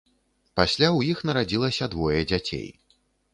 Пасля ў іх нарадзілася двое дзяцей.